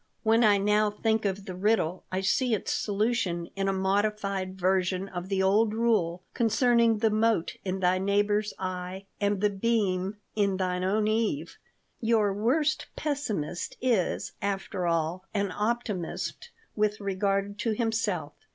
When I now think of the riddle I see its solution in a modified version of the old rule concerning the mote in thy neighbor's eye and the beam in thine own eve. Your worst pessimist is, after all, an optimist with regard to himself.